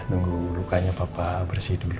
nunggu lukanya papa bersih dulu